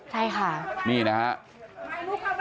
ใช่ค่ะนี่นะครับนี่นะครับ